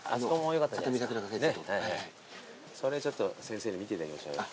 それちょっと先生に見ていただきましょうよ。